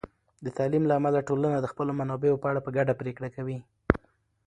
د تعلیم له امله، ټولنه د خپلو منابعو په اړه په ګډه پرېکړه کوي.